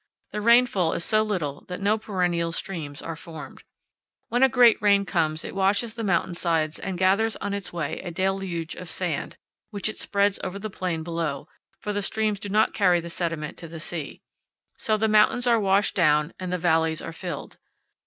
The rainfall is so little that no perennial streams are formed. When a great rain comes it washes the mountain sides and gathers on its way a deluge of sand, which it spreads over the plain below, for the streams do not carry the sediment to the sea. So the mountains are washed down and the valleys are filled.